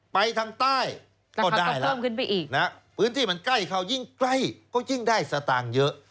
ไปทางใต้ก็ได้แล้วนะพื้นที่มันใกล้เขายิ่งใกล้ก็ยิ่งได้สตางค์เยอะ